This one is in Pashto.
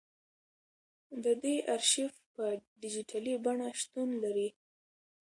د دې ارشیف په ډیجیټلي بڼه شتون لري.